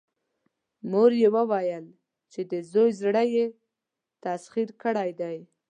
مور يې وويل چې د زوی زړه يې تسخير کړی دی.